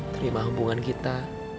terima hubungan kita